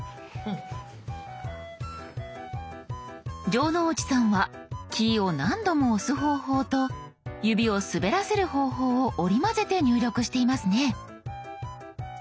城之内さんはキーを何度も押す方法と指を滑らせる方法を織り交ぜて入力していますね。